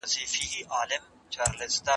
په ټوله نړۍ کي څېړونکي خپلې چارې پر مخ وړي.